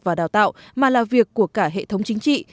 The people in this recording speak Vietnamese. và đào tạo mà là việc của cả hệ thống chính trị